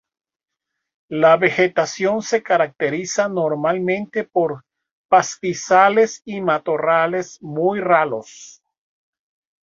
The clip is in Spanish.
La vegetación se caracteriza normalmente por pastizales y matorrales muy ralos.